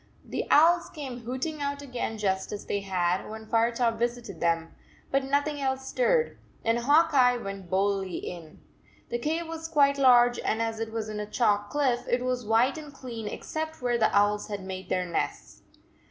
The owls came hooting out again just as they had when Firetop visited them, but nothing else stirred, and Hawk Eye went boldly in. The cave was quite large, and as it was in a chalk cliff, it was white and clean except where the owls had made their nests.